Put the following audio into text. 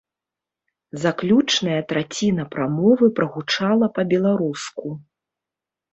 Заключная траціна прамовы прагучала па-беларуску.